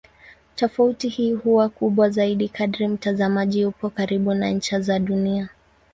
Tofauti hii huwa kubwa zaidi kadri mtazamaji yupo karibu na ncha za Dunia.